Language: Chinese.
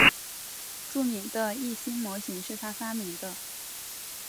著名的易辛模型是他发明的。